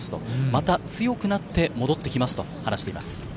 また強くなって戻ってきますと話しています。